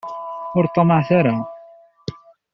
Ur ṭṭamaɛet ara.